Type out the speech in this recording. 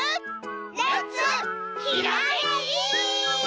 レッツひらめき！